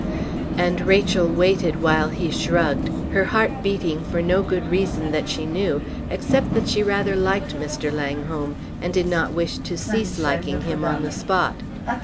And Rachel waited while he shrugged, her heart beating for no good reason that she knew, except that she rather liked Mr. Langholm, and did not wish to cease liking him on the spot.